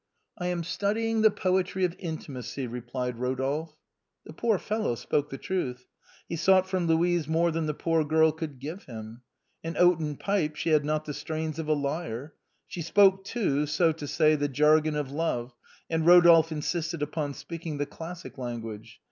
" I am studying the poetry of intimacy," replied Eo dolphe. The poor fellow spoke the truth. He sought from Louise more than the poor girl could give him. An oaten pipe, she had not the strains of a lyre. She spoke, so to say, the jargon of love, and Eodolphe insisted upon speaking the classic language.